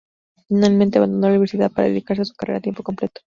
Finalmente, abandonó la universidad para dedicarse a su carrera a tiempo completo.